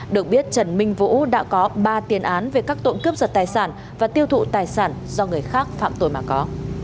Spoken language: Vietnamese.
được biết trần minh vũ đã có ba tiền án về các tội cướp giật tài sản và tiêu thụ tài sản do người khác phạm tội mà có